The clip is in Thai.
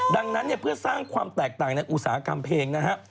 ดังนั้นเนี่ยเพื่อสร้างความแตกต่างในอุตสาหกรรมเพลงนะฮะ